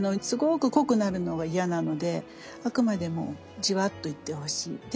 すごく濃くなるのが嫌なのであくまでもじわっといってほしい。